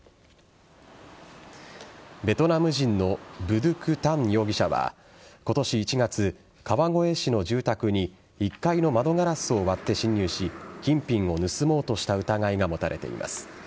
ベトナム人のブ・ドゥク・タン容疑者は今年１月、川越市の住宅に１階の窓ガラスを割って侵入し金品を盗もうとした疑いが持たれています。